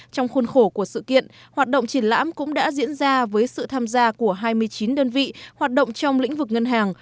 trong khuôn khổ của sự kiện hoạt động triển lãm cũng đã diễn ra với sự tham gia của hai mươi chín đơn vị hoạt động trong lĩnh vực ngân hàng